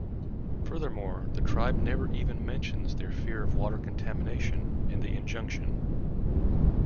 Furthermore, the tribe never even mentions their fear of water contamination in the injunction.